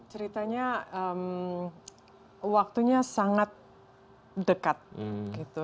ceritanya waktunya sangat dekat